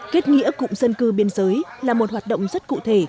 kết nghĩa cụm dân cư biên giới là một hoạt động rất cụ thể